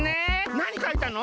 なにかいたの？